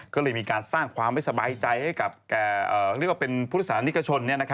ก็เลยมีการสร้างความไม่สบายใจให้กับผู้ศาลนิกชน